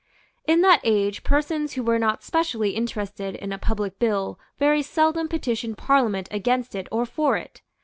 In that age persons who were not specially interested in a public bill very seldom petitioned Parliament against it or for it.